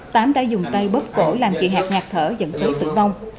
tám đã dùng tay bóp cổ làm chị hạc ngạc thở dẫn tới tử vong